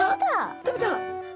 食べた！